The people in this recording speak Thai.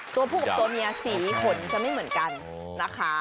ตัวผู้กับตัวเมียสีขนจะไม่เหมือนกันนะคะ